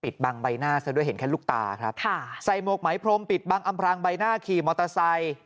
บังใบหน้าซะด้วยเห็นแค่ลูกตาครับค่ะใส่หมวกไหมพรมปิดบังอำพรางใบหน้าขี่มอเตอร์ไซค์